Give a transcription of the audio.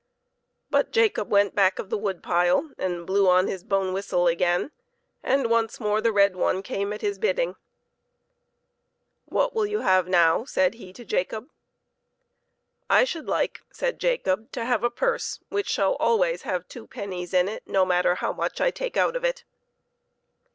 But Jacob went back of the wood pile and blew on his bone whistle again, and once more the red one came at his bidding. "What will you have now?" said he to Jacob. " I should like," said Jacob, " to have a purse which shall always have two pennies in it, no matter how much I take out of it."